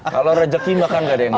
kalau rejeki makan gak ada yang iya